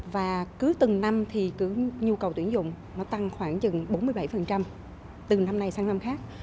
và cứ từng năm thì nhu cầu tuyển dụng nó tăng khoảng chừng bốn mươi bảy từ năm nay sang năm khác